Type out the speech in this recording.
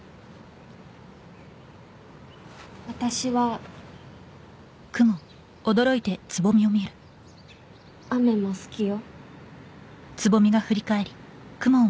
私は雨も好きよ